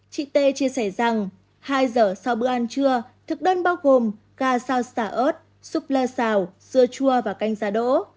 chị t chia sẻ rằng hai giờ sau bữa ăn trưa thực đơn bao gồm gà xào xà ớt súp lơ xào dưa chua và canh giá đỗ